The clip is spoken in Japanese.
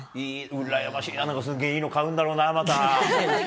羨ましいな、すげえいいの買うんだろうな、また。